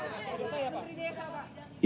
menteri desa ya pak